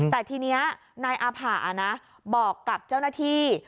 แต่ทีนี้นายอาผะนะบอกกับเจ้าหน้าที่